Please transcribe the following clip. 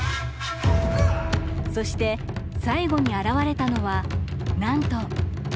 そして最後に現れたのはなんと父親。